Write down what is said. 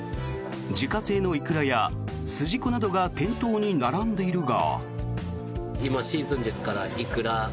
自家製のイクラやすじこなどが店頭に並んでいるが。